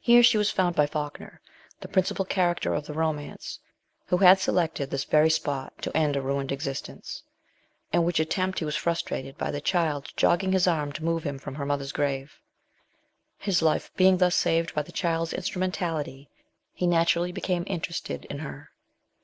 Here she was found by Falkuer, the principal character of the romance, who had selected this very spot to end a ruined existence ; in which attempt he was frustrated by the child jogging his LITERARY WORK. 193 arm to move him from her mother's grave. His life being thus saved by the child's instrumentality, he naturally became interested in her.